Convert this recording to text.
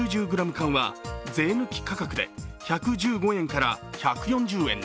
缶は税抜価格で１１５円から１４０円に